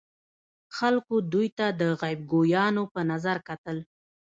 خلکو دوی ته د غیب ګویانو په نظر کتل.